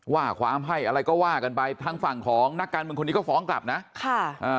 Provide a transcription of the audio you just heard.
ว่าความให้อะไรก็ว่ากันไปทางฝั่งของนักการเมืองคนนี้ก็ฟ้องกลับนะค่ะอ่า